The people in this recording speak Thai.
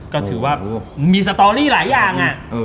ก็ถือว่ามีสตอรี่หลายอย่าง